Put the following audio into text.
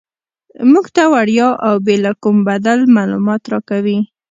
موږ ته وړیا او بې له کوم بدل معلومات راکوي.